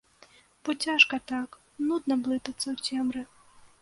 Бо цяжка так, нудна блытацца ў цемры.